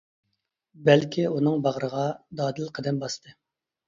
بەلكى ئۇنىڭ باغرىغا دادىل قەدەم باستى.